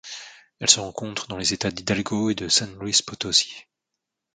Elle se rencontre dans les États d'Hidalgo et de San Luis Potosí.